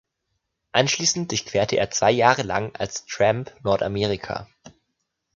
Anschließend durchquerte er zwei Jahre lang als Tramp Nordamerika.